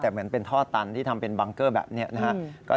แต่เหมือนเป็นท่อตันที่ทำเป็นบังเกอร์แบบนี้นะครับ